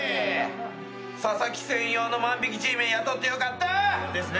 佐々木専用の万引Ｇメン雇ってよかった！ですね。